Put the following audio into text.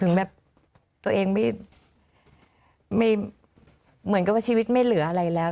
แบบตัวเองไม่เหมือนกับว่าชีวิตไม่เหลืออะไรแล้ว